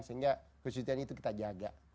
sehingga kesetiaan itu kita jaga